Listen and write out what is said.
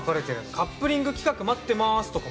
「カップリング企画待ってます」とか毎回必ず。